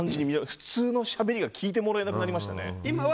普通のしゃべりが聞いてもらえなくなりましたね。